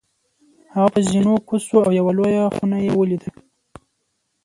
هغه په زینو کوز شو او یوه لویه خونه یې ولیده.